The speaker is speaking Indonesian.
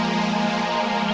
dia tahu keindahanku